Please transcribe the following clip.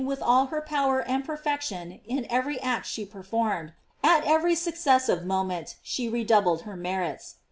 387 with all her power and perfection In every act ehe performed, at every successive moment she redoubled her merits.